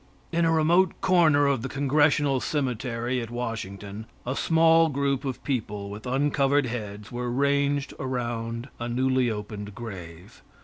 In a remote corner of the Congressional Cemetery at Washington, a small group of people with uncovered heads were ranged around a newly opened grave.